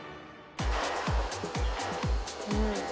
うん。